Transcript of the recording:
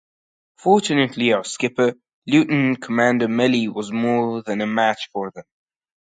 Fortunately our skipper, Lieutenant Commander Melly, was more than a match for them.